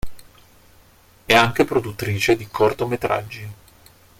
È anche produttrice di cortometraggi.